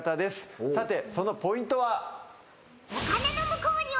さてそのポイントは？